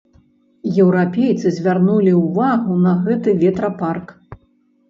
Еўрапейцы звярнулі ўвагу на гэты ветрапарк.